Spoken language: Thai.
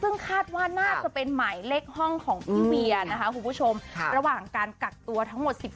ซึ่งคาดว่าน่าจะเป็นหมายเลขห้องของพี่เวียนะคะคุณผู้ชมระหว่างการกักตัวทั้งหมด